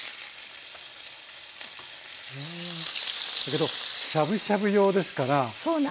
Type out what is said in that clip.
だけどしゃぶしゃぶ用ですから。